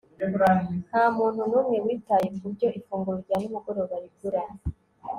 ntamuntu numwe witaye kubyo ifunguro rya nimugoroba rigura